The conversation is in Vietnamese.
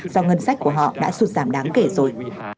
do ngân sách của họ đã sụt giảm đáng kể rồi